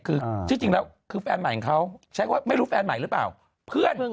คือที่จริงแล้วคือแฟนใหม่ของเขาใช้คำว่าไม่รู้แฟนใหม่หรือเปล่าเพื่อน